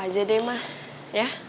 besok aja deh ma ya